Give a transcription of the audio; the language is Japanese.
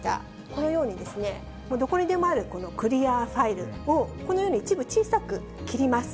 このように、どこにでもあるクリアファイルをこのように一部小さく切ります。